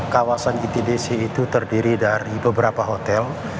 kawasan itdc itu terdiri dari beberapa hotel